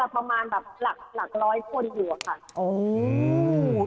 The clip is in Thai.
น่าจะประมาณแรก๑๐๐คนอยู่